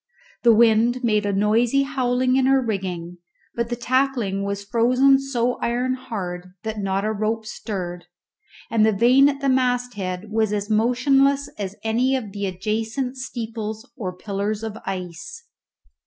The wind made a noisy howling in her rigging, but the tackling was frozen so iron hard that not a rope stirred, and the vane at the masthead was as motionless as any of the adjacent steeples or pillars of ice.